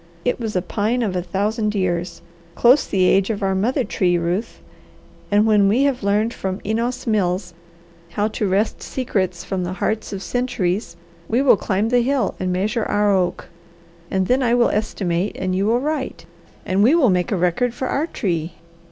It was a pine of a thousand years, close the age of our mother tree, Ruth, and when we have learned from Enos Mills how to wrest secrets from the hearts of centuries, we will climb the hill and measure our oak, and then I will estimate, and you will write, and we will make a record for our tree."